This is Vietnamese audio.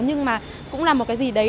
nhưng mà cũng là một cái gì đấy